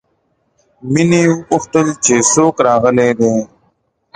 مينې وپوښتل چې څوک راغلي دي